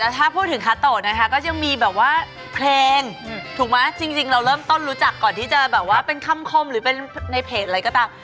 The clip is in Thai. ถ้าพูดถึงคาโตนะคะก็ยังมีแบบว่าเพลงถูกไหมจริงเราเริ่มต้นรู้จักก่อนที่จะแบบว่าเป็นคำคมหรือเป็นในเพจอะไรก็ตาม